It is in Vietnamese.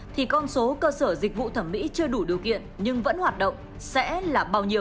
thì con số cơ sở dịch vụ thẩm mỹ chưa đủ điều kiện nhưng vẫn hoạt động sẽ là bao nhiêu